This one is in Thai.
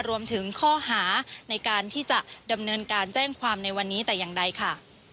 รวมถึงข้อหาในการที่จะดำเนินการแจ้งความในวันนี้แต่อย่างใดค่ะ